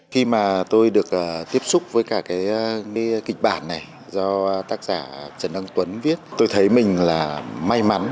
khi mà tôi được tiếp xúc với cả cái kịch bản này do tác giả trần đăng tuấn viết tôi thấy mình là may mắn